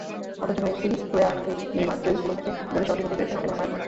অথচ মেসি-সুয়ারেজ-নেইমার ত্রয়ী পুরো ম্যাচে গোলে শটই নিতে পেরেছেন হাতে গোনা কয়েকবার।